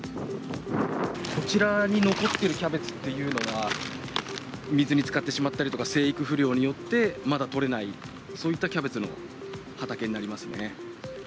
こちらに残っているキャベツっていうのは、水につかってしまったりとか、生育不良によって、まだ取れない、そういったキャベツの畑になりますね。